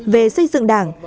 về xây dựng đảng